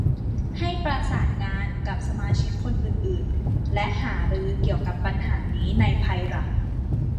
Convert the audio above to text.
ให้ประสานงานกับสมาชิกคนอื่น ๆ และหารือเกี่ยวกับปัญหานี้ในภายหลัง